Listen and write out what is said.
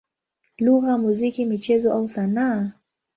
lugha, muziki, michezo au sanaa.